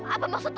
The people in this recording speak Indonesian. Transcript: apa maksudnya eh